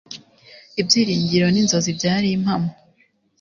ibyiringiro n'inzozi byari impamo